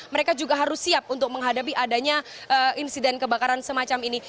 mereka juga harus siap untuk menghadapi adanya insiden kebakaran semacam ini